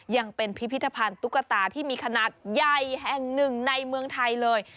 ยังเป็นพิพิธภัณฑ์ตุ๊กตาที่มีขนาดใหญ่แห่งหนึ่งในเมืองไทยเลย